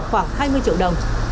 khoảng hai mươi triệu đồng